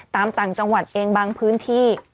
ต่างจังหวัดเองบางพื้นที่